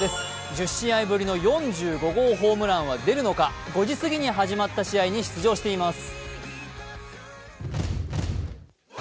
１０試合ぶりの４５号ホームランは出るのか、５時過ぎに始まった試合に出場しています。